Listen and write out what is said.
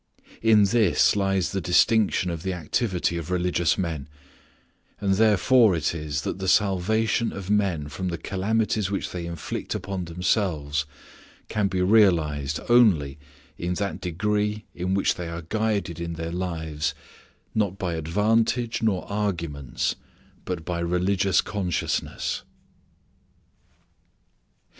In this lies the distinction of the activity of religious men; and therefore it is that the salvation of men from the calamities which they inflict upon themselves can be realized only in that degree in which they are guided in their lives, not by advantage nor arguments, but by religious consciousness.